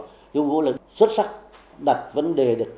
lưu quang vũ là xuất sắc đặt vấn đề được